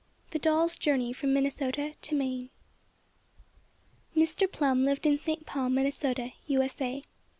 III. THE DOLLS' JOURNEY FROM MINNESOTA TO MAINE. Mr. Plum lived in St. Paul, Minnesota, U.S.A.